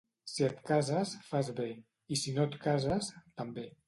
Si et cases, fas bé, i si no et cases, també.